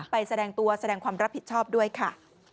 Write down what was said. แสดงตัวแสดงความรับผิดชอบด้วยค่ะ